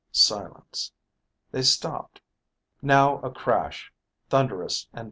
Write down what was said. Silence. They stopped. Now a crash, thunderous and protracted.